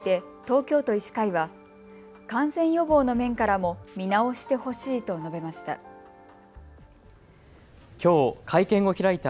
これについて東京都医師会は感染予防の面からも見直してほしいと述べました。